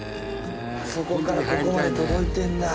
あそこからここまで届いてるんだ。